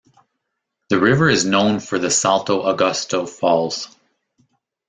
The river is known for the Salto Augusto Falls.